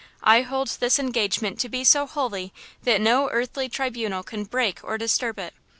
I hold this engagement to be so holy that no earthly tribunal can break or disturb it.